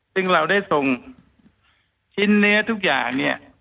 ซึ่งเราได้ส่งชิ้นเนื้อทุกอย่างเนี่ย